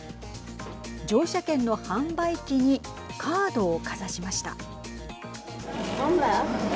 乗車券の販売機にカードをかざしました。